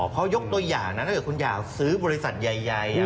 เพราะยกตัวอย่างนั้นถ้าเธออยากซื้อบริษัทใหญ่